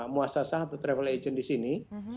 muasasah atau travel agent di sini